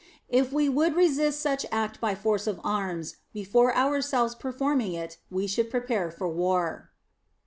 If we would resist such act by force of arms, before ourselves performing it we should prepare for war.